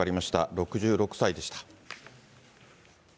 ６６歳でした。